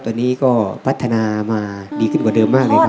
ตอนนี้ก็พัฒนามาดีขึ้นกว่าเดิมมากเลยครับ